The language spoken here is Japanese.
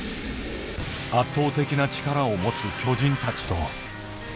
圧倒的な力を持つ巨人たちと。